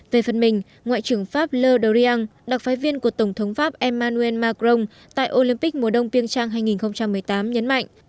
về phần mình ngoại trưởng pháp le drian đặc phái viên của tổng thống pháp emmanuel macron tại olympic mùa đông pyeongchang hai nghìn một mươi tám nhấn mạnh